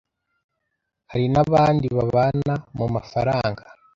Hari n’abandi babana mu mafaranga